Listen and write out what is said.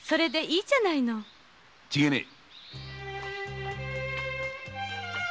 違えねえ。